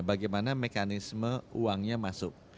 bagaimana mekanisme uangnya masuk